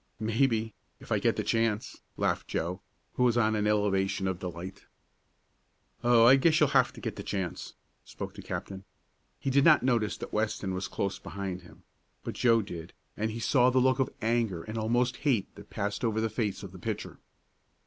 "Maybe if I get the chance," laughed Joe, who was on an elevation of delight. "Oh, I guess you'll have to get the chance," spoke the captain. He did not notice that Weston was close behind him, but Joe did, and he saw the look of anger and almost hate that passed over the face of the pitcher.